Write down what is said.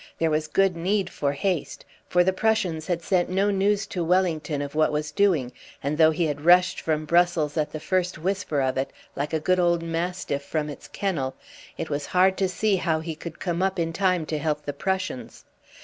There was good need for haste, for the Prussians had sent no news to Wellington of what was doing, and though he had rushed from Brussels at the first whisper of it, like a good old mastiff from its kennel, it was hard to see how he could come up in time to help the Prussians.